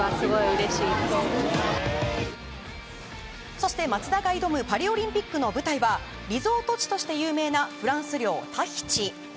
そして松田が挑むパリオリンピックの舞台はリゾート地として有名なフランス領タヒチ。